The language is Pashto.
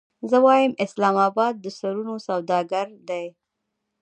زه وایم اسلام اباد د سرونو سوداګر دی.